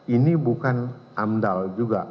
ini bukan amdal juga